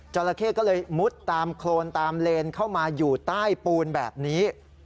ราเข้ก็เลยมุดตามโครนตามเลนเข้ามาอยู่ใต้ปูนแบบนี้